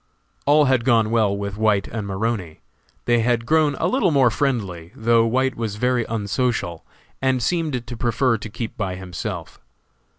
All had gone well with White and Maroney. They had grown a little more friendly, though White was very unsocial, and seemed to prefer to keep by himself.